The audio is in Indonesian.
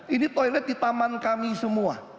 ini toilet di taman kami semua